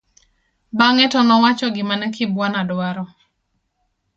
bang'e to nowacho gima ne Kibwana dwaro